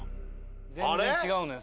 全然違うのよ。